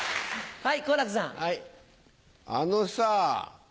はい。